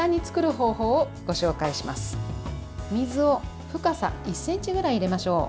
お水を深さ１ｃｍくらい入れましょう。